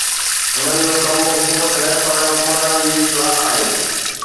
هنن جو ڪم حڪومت نه پر حڪمرانن جي اصلاح آهي